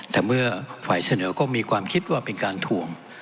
แต่เมื่อฝ่ายเสนอก็มีความคิดว่าเป็นการทวง